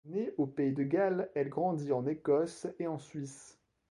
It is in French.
Née au pays de Galles, elle grandit en Écosse et en Suisse.